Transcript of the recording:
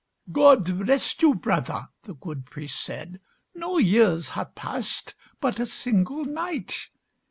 "God rest you, brother," the good priest said, "No years have passed—but a single night."